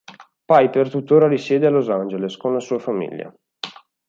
Piper tuttora risiede a Los Angeles con la sua famiglia.